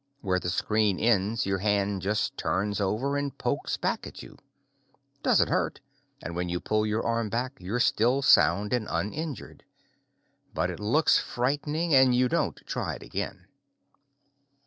Where the screen ends, your hand just turns over and pokes back at you. Doesn't hurt, and when you pull your arm back, you're still sound and uninjured. But it looks frightening and you don't try it again.